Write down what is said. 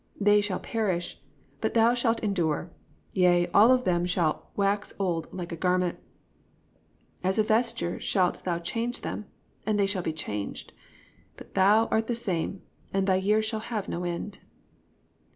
(26) They shall perish, but thou shalt endure; yea, all of them shall wax old like a garment; as a vesture shalt thou change them, and they shall be changed; (27) But thou art the same, and thy years shall have no end."